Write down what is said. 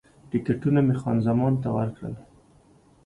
ټکټونه مې خان زمان ته ورکړل.